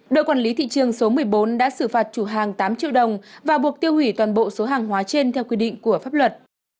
đội quản lý thị trường số một mươi bốn đã xử phạt chủ hàng tám triệu đồng và buộc tiêu hủy toàn bộ số hàng hóa trên theo quy định của pháp luật